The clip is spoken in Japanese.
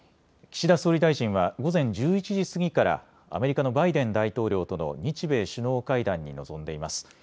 岸田総理大臣は午前１１時過ぎからアメリカのバイデン大統領との日米首脳会談に臨んでいます。